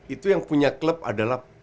itu yang punya klub adalah